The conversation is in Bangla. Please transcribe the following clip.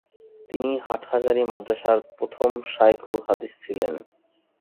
তিনি হাটহাজারী মাদ্রাসার প্রথম শায়খুল হাদিস ছিলেন।